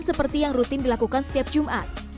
seperti yang rutin dilakukan setiap jumat